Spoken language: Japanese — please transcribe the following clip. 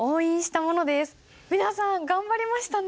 皆さん頑張りましたね。